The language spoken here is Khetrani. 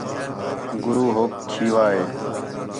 گُرو ہوک کھیوا ہِے